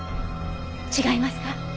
違いますか？